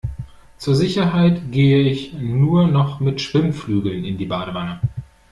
Zur Sicherheit gehe ich nur noch mit Schwimmflügeln in die Badewanne.